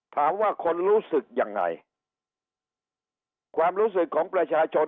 ถามว่าคนรู้สึกยังไงความรู้สึกของประชาชน